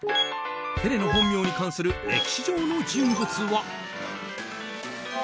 ペレの本名に関係する歴史上の人物は。